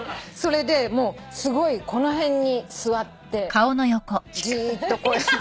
それでもうすごいこの辺に座ってじーっと。